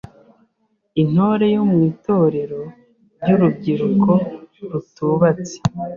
Intore yo mu Itorero ry’urubyiruko rutubatse